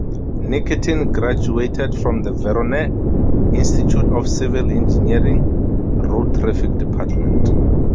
Nikitin graduated from the Voronezh Institute of Civil Engineering (road traffic department).